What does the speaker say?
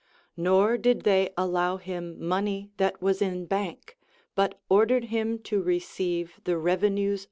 Nor did they allow him money that Avas in bank, but ordered him to receive the revenues